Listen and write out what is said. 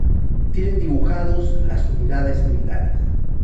Tienen dibujados las unidades militares.